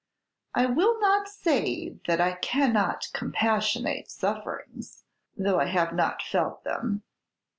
"I will not say that I cannot compassionate sufferings, though I have not felt them."